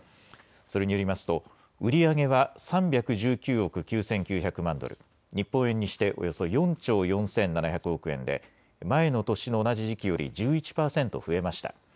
それによりますと売り上げは３１９億９９００万ドル日本円にしておよそ４兆４７００億円で前の年の同じ時期より１１％増えました。